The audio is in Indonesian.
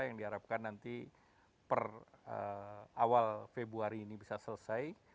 yang diharapkan nanti per awal februari ini bisa selesai